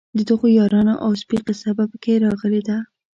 د دغو یارانو او سپي قصه په کې راغلې ده.